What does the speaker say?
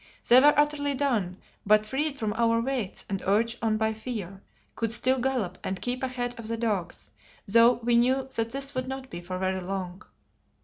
They were utterly done, but freed from our weights and urged on by fear, could still gallop and keep ahead of the dogs, though we knew that this would not be for very long.